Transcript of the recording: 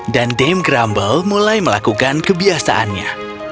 dan dame grumble mulai melakukan kebiasaannya